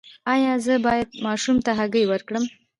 ایا زه باید ماشوم ته هګۍ ورکړم؟